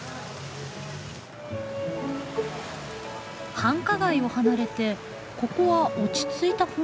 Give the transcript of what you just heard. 繁華街を離れてここは落ち着いた雰囲気。